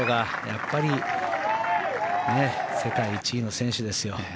やっぱり世界１位の選手ですよ。